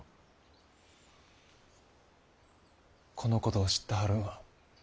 このことを知ったはるんは？